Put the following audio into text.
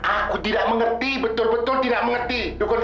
aku tidak mengerti betul betul tidak mengerti